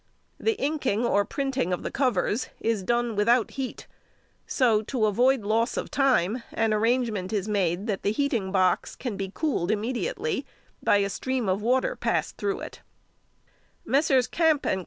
The inking or printing of the covers is done without heat, so, to avoid loss of time, an arrangement is made that the heating box can be cooled immediately by a stream of water passed through it. Messrs. Kampe and Co.